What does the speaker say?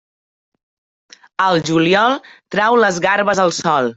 Al juliol, trau les garbes al sol.